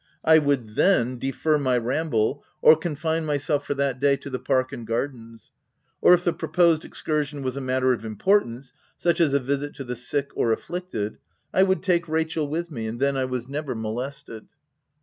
I would then 358 THE TENANT defer my ramble, or confine myself for that day to the park and gardens — or if the proposed excursion was a matter of importance, such as a visit to the sick or afflicted, I would take Rachel with me, and then I was never molested.